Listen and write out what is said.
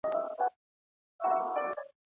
ګرم خواړه ژر مه یخچال ته اچوئ.